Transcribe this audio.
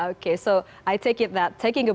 oke jadi saya menganggap